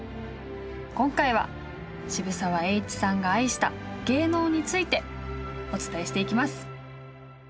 今回は渋沢栄一さんが愛した芸能についてお伝えしていきます。